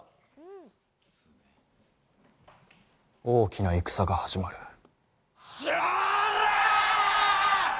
大きな戦が始まる。